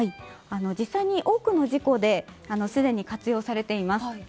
実際に多くの事故ですでに活用されています。